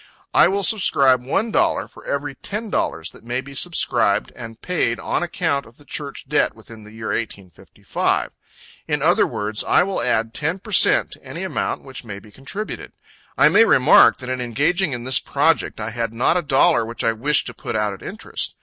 I will subscribe one dollar for every ten dollars that may be subscribed and paid on account of the Church debt within the year 1855. In other words, I will add ten per cent to any amount which may be contributed. I may remark, that in engaging in this project, I had not a dollar which I wished to put out at interest.